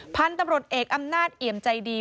พรรณตำรวจเอกอำนาจเห่ยมใจดี